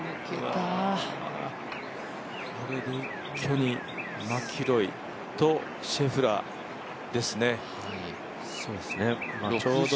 これで一気にマキロイとシェフラーですね。